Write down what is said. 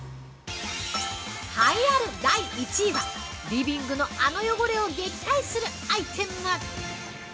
◆栄えある第１位はリビングのあの汚れを撃退するアイテム。